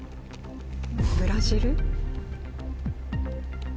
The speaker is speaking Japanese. ブラジル？